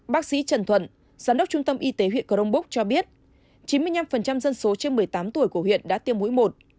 bác sĩ trần thuận giám đốc trung tâm y tế huyện crong búc cho biết chín mươi năm dân số trên một mươi tám tuổi của huyện đã tiêm mũi một